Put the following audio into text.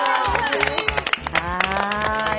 はい。